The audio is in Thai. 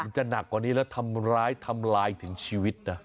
จะหนักกว่านี้แล้วทำร้ายทำลายถึงชีวิตนะ